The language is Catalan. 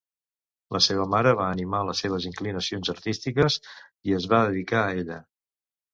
La seva mare va animar les seves inclinacions artístiques i es va dedicar a ella.